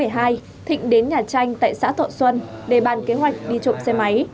thịnh đến nhà tranh tại xã thọ xuân để bàn kế hoạch đi trộm xe máy